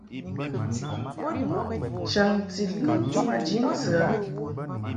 Chaŋti lun maji ntɨ a.